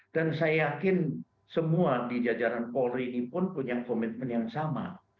dan saya yakin semua di jajaran polri ini pun punya komitmen yang sama